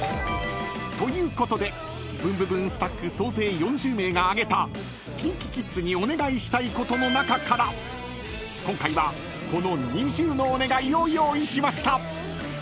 ［ということで『ブンブブーン！』スタッフ総勢４０名が挙げたＫｉｎＫｉＫｉｄｓにお願いしたいことの中から今回はこの２０のお願いを用意しました］